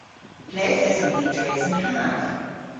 Ple'th eson ni dres an hav?